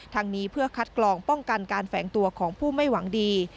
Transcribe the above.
ทางนี้เพื่อคัดกรองป้องกันการแฝงตัวของผู้ไม่หวังดี